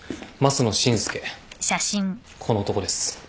この男です。